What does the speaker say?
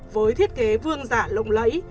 với thiết kế vương giả lộng lẫy